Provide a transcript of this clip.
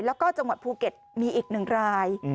แล้วก็จังหวัดภูเก็ตมีอีก๑ราย